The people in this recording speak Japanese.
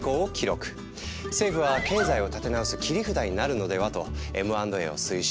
政府は経済を立て直す切り札になるのではとＭ＆Ａを推奨。